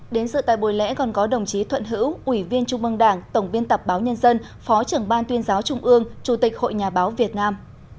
đến sự tại buổi lễ còn có đồng chí thuận hữu ủy viên trung mương đảng tổng biên tập báo nhân dân phó trưởng ban tuyên giáo trung ương chủ tịch hội nhà báo việt nam